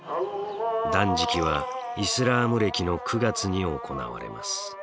断食はイスラーム暦の９月に行われます。